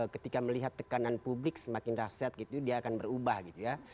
ketika melihat tekanan publik semakin rahset gitu dia akan berubah gitu ya